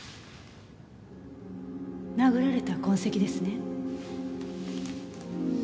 殴られた痕跡ですね。